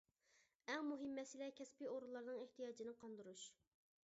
ئەڭ مۇھىم مەسىلە كەسپىي ئورۇنلارنىڭ ئېھتىياجىنى قاندۇرۇش.